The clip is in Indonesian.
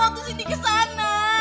waktu indy kesana